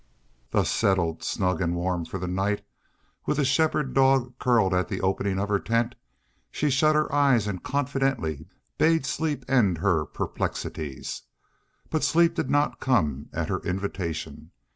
Thus settled snug and warm for the night, with a shepherd dog curled at the opening of her tent, she shut her eyes and confidently bade sleep end her perplexities. But sleep did not come at her invitation.